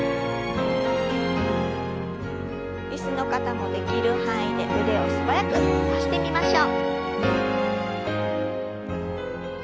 椅子の方もできる範囲で腕を素早く伸ばしてみましょう。